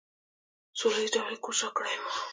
په سوله ایز ډول یې کوچ راکړی وي.